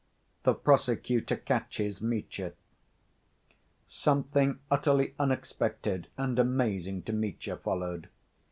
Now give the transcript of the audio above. The Prosecutor Catches Mitya Something utterly unexpected and amazing to Mitya followed.